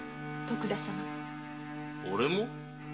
おれも？